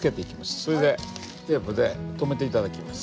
それでテープで留めて頂きます。